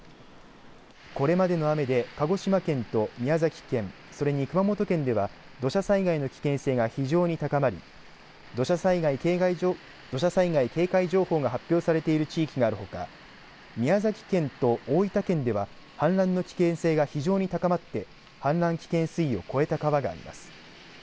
これまでの雨で鹿児島県と宮崎県それに熊本県では土砂災害の危険性が非常に高まり土砂災害警戒情報が発表されている地域があるほか宮崎県と大分県では氾濫の危険性が非常に高まって氾濫危険水位を超えた川があります。